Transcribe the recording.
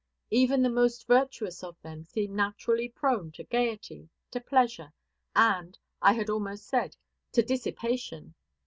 Even the most virtuous of them seem naturally prone to gayety, to pleasure, and, I had almost said, to dissipation.